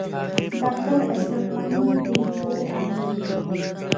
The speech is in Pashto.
ډاکټر اشرف غنی ډیر لوی عالم دی